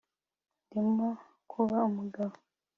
ndimo kuba umugabo